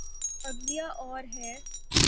عدلیہ اور ہے۔